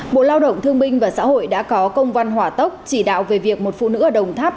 bộ lao động thương minh và xã hội đã có công văn hỏa tốc chỉ đạo về việc một phụ nữ ở đồng tháp